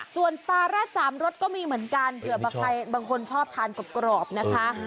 ส่วนปลารัดสามรสก็มีเหมือนกันเผื่อใครบางคนชอบทานกรอบนะคะ